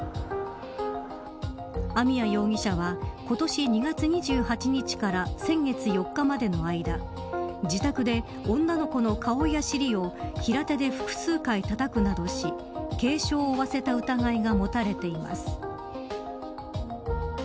網谷容疑者は今年２月２８日から先月４日までの間自宅で、女の子の顔や尻を平手で複数回たたくなどし軽傷を負わせた疑いが持たれています。